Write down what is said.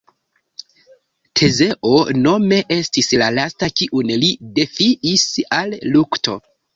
Tezeo nome estis la lasta kiun li defiis al lukto.